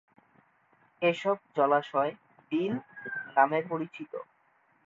এসব জলাশয় "বিল" নামে পরিচিত।